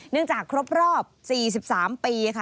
เนื่องจากครบรอบ๔๓ปีค่ะ